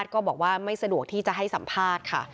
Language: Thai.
ก็บอกว่าไม่สะดวกที่จะให้สัมภาษณ์ค่ะ